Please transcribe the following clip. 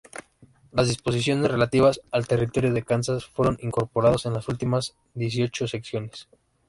Las disposiciones relativas al Territorio de Kansas fueron incorporados en las últimas dieciocho secciones.